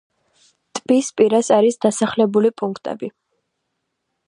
ტბის პირას არის დასახლებული პუნქტები.